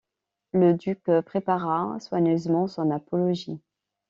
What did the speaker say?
Le duc prépara soigneusement son apologie.